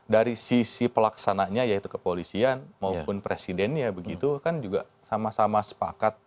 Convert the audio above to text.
dari sisi pelaksananya yaitu kepolisian maupun presidennya begitu kan juga sama sama sepakat